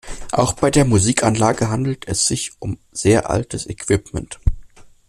Auch bei der Musikanlage handelte es sich um sehr altes Equipment.